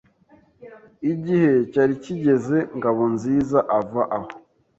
Igihe cyari kigeze Ngabonzizaava aho.